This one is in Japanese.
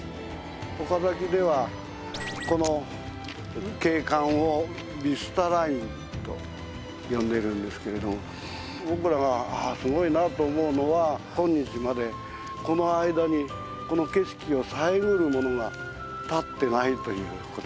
岡崎ではこの景観をビスタラインと呼んでいるんですけれども僕らがすごいなと思うのは今日までこの間にこの景色を遮るものが建っていないという事ですね。